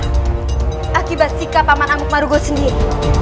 itu semua akibat sikap paman amuk maruguh sendiri